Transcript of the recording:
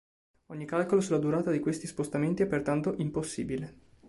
Ogni calcolo sulla durata di questi spostamenti è pertanto impossibile.